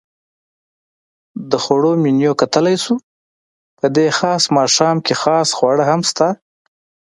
د خوړو منیو کتلای شو؟ په دې خاص ماښام کې خاص خواړه هم شته.